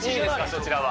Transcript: そちらは。